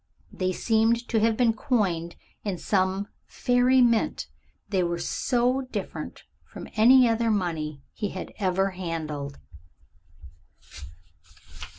They seemed to have been coined in some fairy mint; they were so different from any other money he had ever handled.